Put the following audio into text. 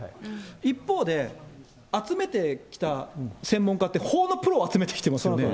一方で、集めてきた専門家って、法のプロを集めてきてますよね。